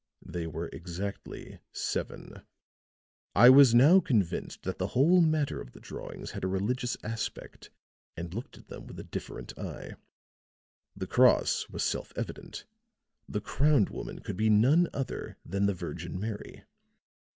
They were exactly seven. "I was now convinced that the whole matter of the drawings had a religious aspect, and looked at them with a different eye. The cross was self evident; the crowned woman could be none other than the Virgin Mary.